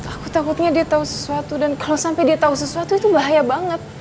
aku takutnya dia tahu sesuatu dan kalau sampai dia tahu sesuatu itu bahaya banget